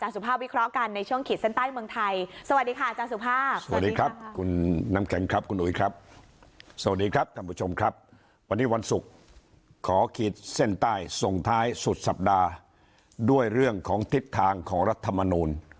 เส้นใต้ส่วนท้ายสุดสัปดาห์ด้วยเรื่องของทิศทางของรัฐมนูล